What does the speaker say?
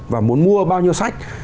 và muốn mua bao nhiêu sách